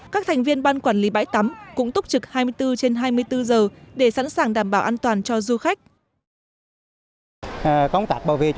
các thành viên ban quản lý bãi tắm cũng túc trực hai mươi bốn trên hai mươi bốn giờ để sẵn sàng đảm bảo an toàn cho du khách